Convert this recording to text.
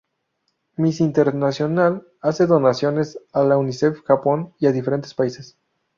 Miss Internacional hace donaciones a la Unicef Japón y a diferentes países.